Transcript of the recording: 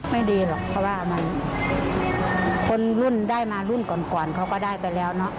ไม่ดีหรอกเพราะว่ามันคนรุ่นได้มารุ่นก่อนก่อนเขาก็ได้ไปแล้วเนอะ